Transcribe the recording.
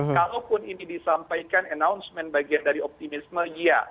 kalaupun ini disampaikan announcement bagian dari optimisme iya